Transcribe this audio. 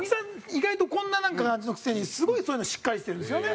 意外とこんな感じのくせにすごいそういうのしっかりしてるんですよね。